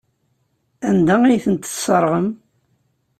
Anda ay tent-tesseɣrem?